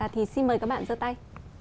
thì xin mời các bạn giơ tay